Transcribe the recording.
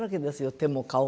手も顔も。